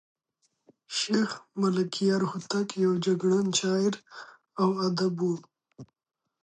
شېخ ملکیار هوتک یو جګړن شاعر او ادیب وو.